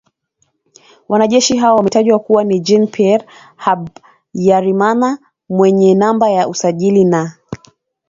Wanajeshi hao wametajwa kuwa ni Jean Pierre Habyarimana mwenye namba za usajili na